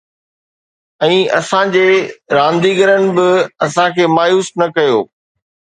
۽ اسان جي رانديگرن به اسان کي مايوس نه ڪيو